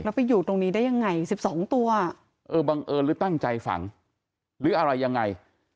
แล้วไปอยู่ตรงนี้ได้ยังไง๑๒ตัวเออบังเอิญหรือตั้งใจฝังหรืออะไรยังไง